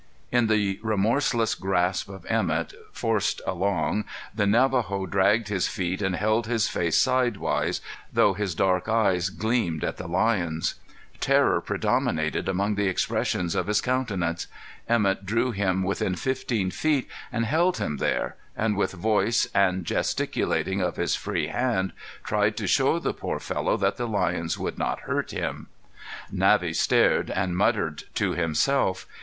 In the remorseless grasp of Emett, forced along, the Navajo dragged his feet and held his face sidewise, though his dark eyes gleamed at the lions. Terror predominated among the expressions of his countenance. Emett drew him within fifteen feet and held him there, and with voice, and gesticulating of his free hand, tried to show the poor fellow that the lions would not hurt him. Navvy stared and muttered to himself.